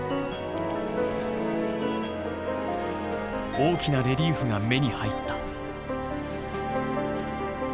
大きなレリーフが目に入った。